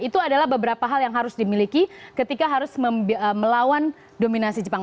itu adalah beberapa hal yang harus dimiliki ketika harus melawan dominasi jepang